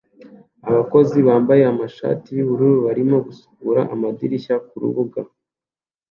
abakozi bambaye amashati yubururu barimo gusukura amadirishya kurubuga